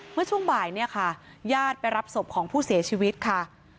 เมื่อช่วงบ่ายเนี่ยค่ะญาติไปรับศพของผู้เสียชีวิตค่ะ